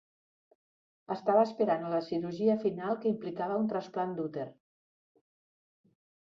Estava esperant a la cirurgia final que implicava un trasplant d'úter.